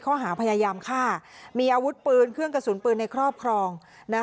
ข้อหาพยายามฆ่ามีอาวุธปืนเครื่องกระสุนปืนในครอบครอง